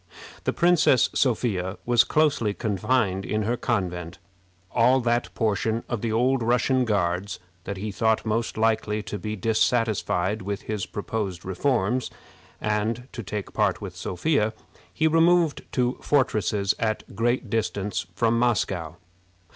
The Princess Sophia was closely confined in her convent. All that portion of the old Russian Guards that he thought most likely to be dissatisfied with his proposed reforms, and to take part with Sophia, he removed to fortresses at a great distance from Moscow.